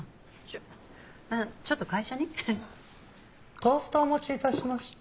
トーストをお持ち致しました。